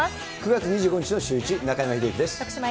９月２５日のシューイチ、徳島えりかです。